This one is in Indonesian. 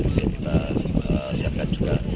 itu yang kita siapkan juga